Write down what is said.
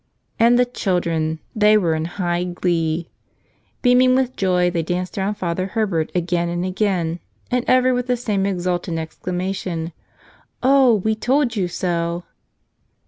And the children — they were in high glee. Beaming with joy they danced round Father Herbert again and again and ever with the same exultant exclamation, "Oh, we told you so!"